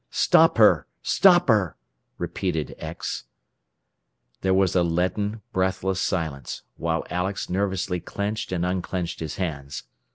"Stop her! Stop her!" repeated "X." There was a leaden, breathless silence, while Alex nervously clenched and unclenched his hands.